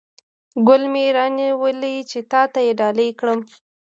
ګل مې را نیولی چې تاته یې ډالۍ کړم